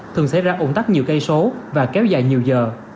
thường xảy ra ủng tắc nhiều cây số và kéo dài nhiều giờ